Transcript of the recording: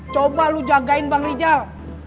coba lu jagain bang rizal